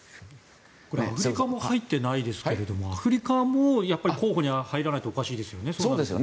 アフリカも入ってないですけれどもアフリカも候補に入らないとおかしいですよね。